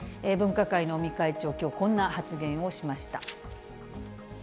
分科会の尾身会長、きょう、こんな発言をしました。